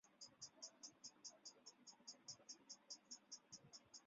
你们没有抓到吗？